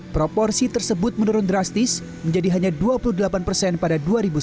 proporsi tersebut menurun drastis menjadi hanya dua puluh delapan persen pada dua ribu sembilan belas